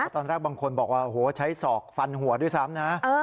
ตอนแรกบางคนบอกว่าโอ้โหใช้ศอกฟันหัวด้วยซ้ำนะ